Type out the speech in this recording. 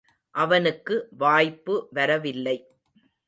அவனுக்கு வாய்ப்பு வரவில்லை.